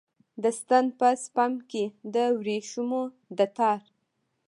د ستن په سپم کې د وریښمو د تار